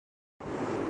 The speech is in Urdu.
اسے گرمی دانے نکل آئے